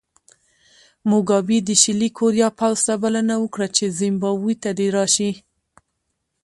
موګابي د شلي کوریا پوځ ته بلنه ورکړه چې زیمبابوې ته راشي.